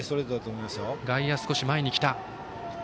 外野は少し前に来た。